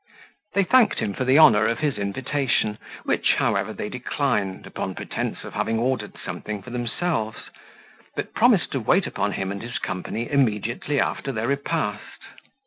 They thanked him for the honour of his invitation, which, however, they declined upon pretence of having ordered something for themselves; but promised to wait upon him and his company immediately after their repast.